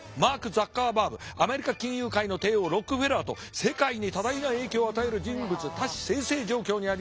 アメリカ金融界の帝王ロックフェラーと世界に多大な影響を与える人物多士済々状況にあります。